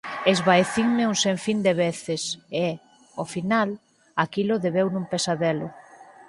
Esvaecinme un sen fin de veces, e, ó final, aquilo deveu nun pesadelo.